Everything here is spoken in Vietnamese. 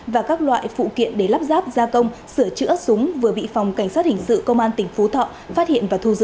và các loại phụ kiện để lắp ráp gia công sửa chữa súng vừa bị phòng cảnh sát hình sự công an tỉnh phú thọ phát hiện và thu giữ